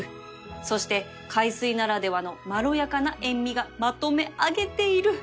そして海水ならではのまろやかな塩味がまとめあげている